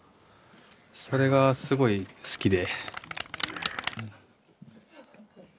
それがすごい好きで。